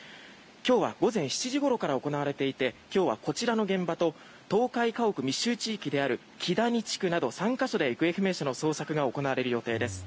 今日は午前７時ごろから行われていて今日はこちらの現場と倒壊家屋密集地域であるキダニ地区など３か所で行方不明者の捜索が行われる予定です。